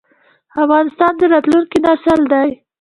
افغانستان د راتلونکي نسل دی